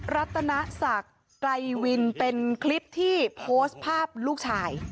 รัตนศักดิ์ไกลวินเป็นคลิปที่โพสต์ภาพลูกชาย